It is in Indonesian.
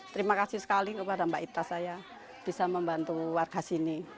terima kasih sekali kepada mbak ita saya bisa membantu warga sini